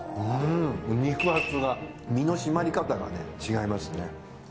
肉厚が身の締まり方がね違いますね。